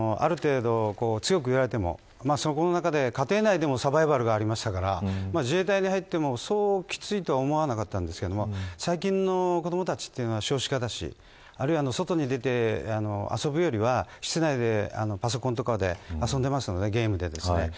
われわれが入隊したころは自衛隊員も多くて昭和時代ですからある程度強く言われてもその中で、家庭内でもサバイバルがありましたから自衛隊に入っても、そうきついとは思わなかったんですけれども最近の子どもたちは少子化だし外に出て遊ぶよりは室内でパソコンとかで遊んでいますので、ゲームで。